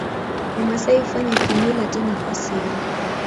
Wamasai hufanya kimila tena kwa siri